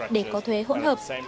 để có thuế hỗn hợp